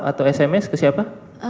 atau sms ke siapa